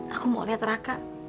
aku mau lihat raka